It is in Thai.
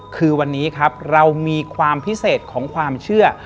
คือวันนี้ครับเรามีความพิเศษของความเชื่อ